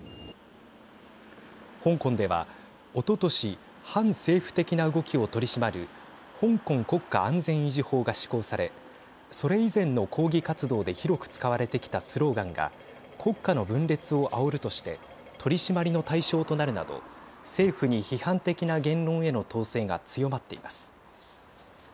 香港ではおととし反政府的な動きを取り締まる香港国家安全維持法が施行されそれ以前の抗議活動で広く使われてきたスローガンが国家の分裂をあおるとして取締りの対象となるなど政府に批判的な言論への統制が強まっています。